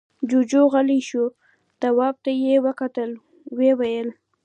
جُوجُو غلی شو، تواب ته يې وکتل، ويې ويل: